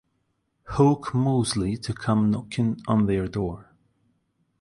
Hoke Moseley to come knocking on their door.